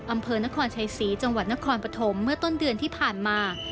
อำเภอนครชัยศรีจังหวัดนครปฐมเมื่อต้นเดือนที่ผ่านมา